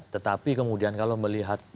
tetapi kemudian kalau melihat